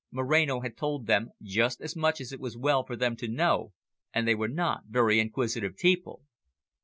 Moreno had told them just as much as it was well for them to know, and they were not very inquisitive people.